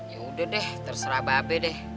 ya udah deh terserah mbak be deh